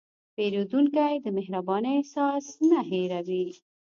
پیرودونکی د مهربانۍ احساس نه هېروي.